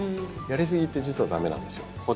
やりすぎって実は駄目なんですよ。